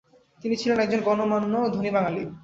তিনি ছিলেন একজন গণ্যমান্য ধনী বাঙালি।